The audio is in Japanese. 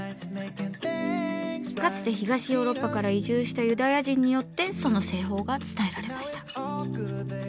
かつて東ヨーロッパから移住したユダヤ人によってその製法が伝えられました。